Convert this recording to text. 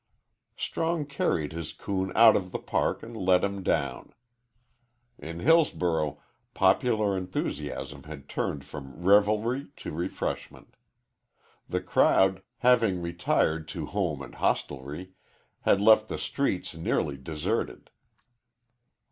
Strong carried his coon out of the park and let him down. In Hillsborough popular enthusiasm had turned from revelry to refreshment. The crowd, having retired to home and hostelry, had left the streets nearly deserted.